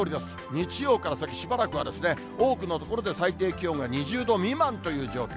日曜から先、しばらくは多くの所で最低気温が２０度未満という状況。